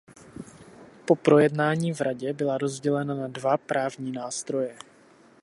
Po projednání v Radě byla rozdělena na dva právní nástroje.